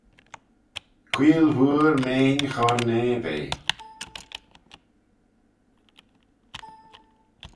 Queeyl vooar meain Chornaa v'eh.